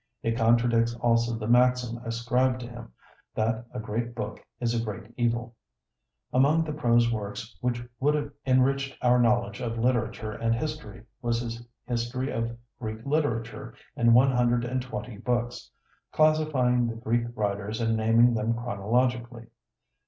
It contradicts also the maxim ascribed to him, that "a great book is a great evil." Among the prose works which would have enriched our knowledge of literature and history was his history of Greek literature in one hundred and twenty books, classifying the Greek writers and naming them chronologically.